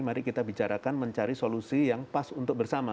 mari kita bicarakan mencari solusi yang pas untuk bersama